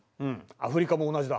アフリカも同じだ。